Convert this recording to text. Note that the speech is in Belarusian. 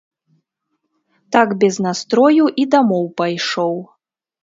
Так без настрою і дамоў пайшоў.